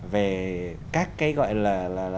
về các cái gọi là